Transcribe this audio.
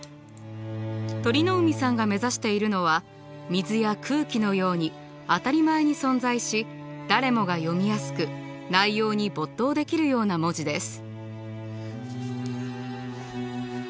鳥海さんが目指しているのは水や空気のように当たり前に存在し誰もが読みやすく内容に没頭できるような文字です。